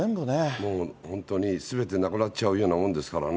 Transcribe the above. もう、本当にすべてなくなっちゃうようなもんですからね。